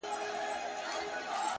که مړ سوم نو ومنه ـ